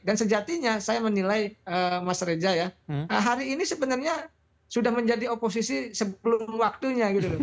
dan sejatinya saya menilai mas reza ya hari ini sebenarnya sudah menjadi oposisi sebelum waktunya